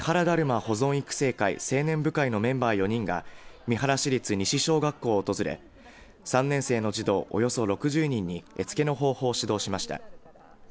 保存育成会青年部会のメンバー４人が三原市立西小学校を訪れ３年生の児童およそ６０人に絵付けの方法を指導しました。